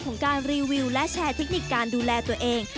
ของการรีวิวและแชร์เทคนิคการดูแลตัวเอง